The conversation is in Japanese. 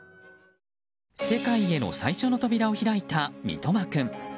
世界への最初の扉を開いた三笘君。